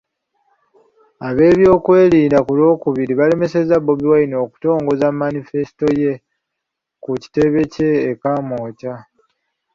Ab'ebyokwerinda ku Lwokubiri baalemesezza Bobi Wine okutongoza manifesito ye ku kitebe kye e Kamwokya.